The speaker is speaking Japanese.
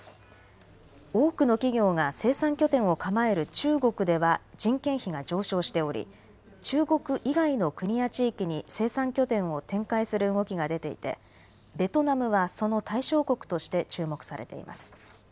多くの企業が生産拠点を構える中国では人件費が上昇しており、中国以外の国や地域に生産拠点を展開する動きが出ていてベトナムはその対象国として注目されています。